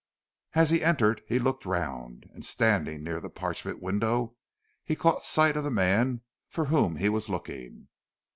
As he entered he looked round, and, standing near the parchment window he caught sight of the man for whom he was looking.